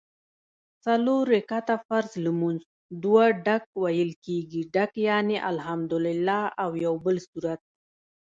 څلور رکعته فرض لمونځ دوه ډک ویل کېږي ډک یعني الحمدوالله او یوبل سورت